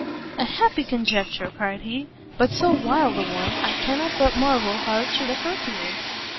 "A happy conjecture!" cried he, "but so wild a one, I cannot but marvel how it should occur to you!"